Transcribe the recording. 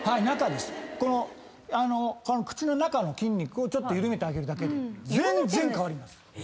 この口の中の筋肉をちょっと緩めてあげるだけで全然変わります。